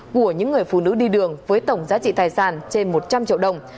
của những người phụ nữ đi đường với tổng giá trị tài sản trên một trăm linh triệu đồng